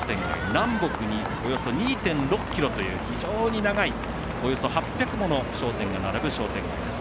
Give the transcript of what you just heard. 南北に、およそ２．６ｋｍという非常に長い、およそ８００もの商店が並ぶ商店街です。